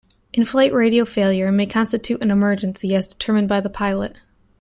In-flight radio failure may constitute an emergency, as determined by the pilot.